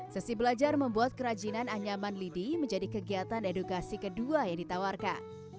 sesi belajar membuat kerajinan anyaman lidi menjadi kegiatan edukasi kedua yang ditawarkan